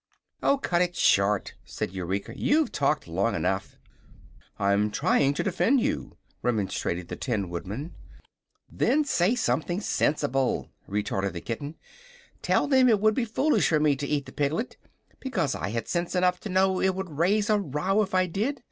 "Oh, cut it short," said Eureka; "you've talked long enough." "I'm trying to defend you," remonstrated the Tin Woodman. "Then say something sensible," retorted the kitten. "Tell them it would be foolish for me to eat the piglet, because I had sense enough to know it would raise a row if I did.